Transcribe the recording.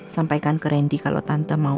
sampaikan ke randy kalau tante mau